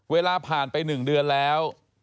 เวลาผ่านไป๑เดือนแล้ว